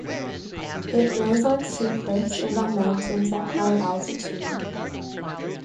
It grows on sea cliffs and on mountains at high altitude.